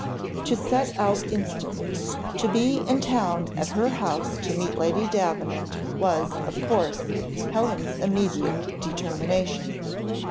To set out instantly, to be in town at her house to meet Lady Davenant, was, of course, Helen's immediate determination.